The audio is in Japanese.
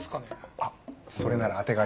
あっそれなら当てがあります。